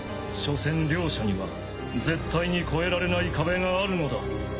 しょせん両者には絶対に超えられない壁があるのだ。